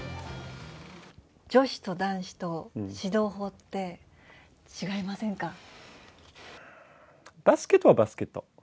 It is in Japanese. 女子と男子と指導法って違いバスケットはバスケット。